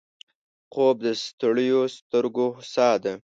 خوب د ستړیو سترګو هوسا ده